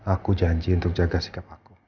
aku janji untuk jaga sikap aku